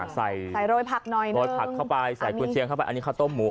ใส่โรยผักเข้าไปใส่กุญเชียงเข้าไปอันนี้ข้าวต้มหมู